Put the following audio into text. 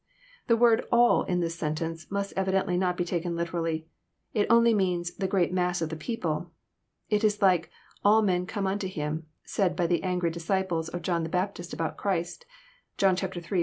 The word *' all," In this sentence, mnst evidently not be taken literally. It only means '' the great mass of the people." It is like '* all men come unto Him," said by the angry disciples of John the Baptist about Christ. (John iii.